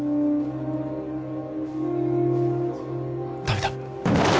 ダメだ！